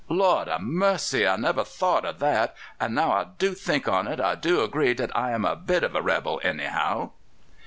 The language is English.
"Lord ha' mercy! I never thought o' that; and now I do think on it, I do agree dat I am a bit of a rebel, anyhow."